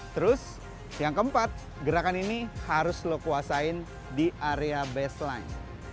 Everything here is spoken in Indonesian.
terus yang keempat gerakan ini harus lo kuasain di area baseline